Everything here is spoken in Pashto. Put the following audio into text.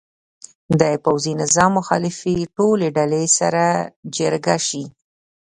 د پوځي نظام مخالفې ټولې ډلې سره جرګه شي.